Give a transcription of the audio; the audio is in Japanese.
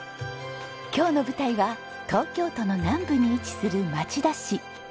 今日の舞台は東京都の南部に位置する町田市。